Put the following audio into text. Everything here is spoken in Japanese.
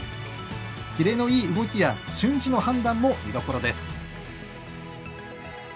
キレのいい動きや瞬時の判断も見どころです。